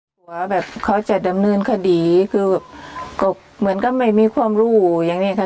หัวแบบเขาจะดำเนินคดีคือแบบก็เหมือนก็ไม่มีความรู้อย่างนี้ค่ะ